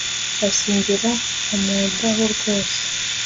asingira umudaho rwose